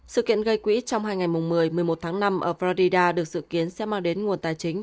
sự kiện gây quỹ trong hai ngày một mươi một mươi một tháng năm ở florida được dự kiến sẽ mang đến nguồn tài chính